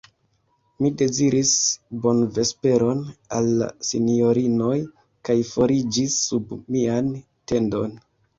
Mi deziris bonvesperon al la sinjorinoj, kaj foriĝis sub mian tendon.